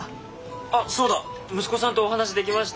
あっそうだ息子さんとお話しできました？